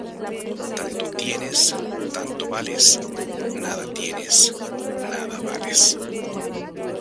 Tanto tienes, tanto vales; nada tienes, nada vales.